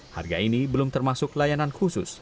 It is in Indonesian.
harga ini belum termasuk layanan khusus